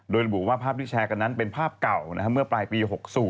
โดยระบุว่าภาพที่แชร์กันนั้นเป็นภาพเก่าเมื่อปลายปี๖๐